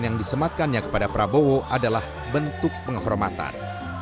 yang disematkannya kepada prabowo adalah bentuk penghormatan